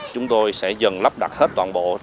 chúng tôi sẽ dần lắp đặt hết toàn bộ